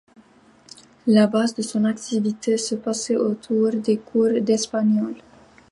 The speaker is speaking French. La base de son activité se passait autour des cours d'espagnol.